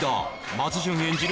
松潤演じる